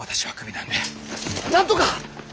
なんとか！